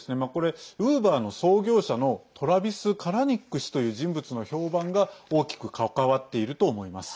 ウーバーの創業者のトラビス・カラニック氏という人物の評判が大きく関わっていると思います。